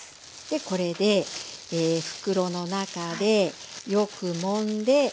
でこれで袋の中でよくもんで漬けます。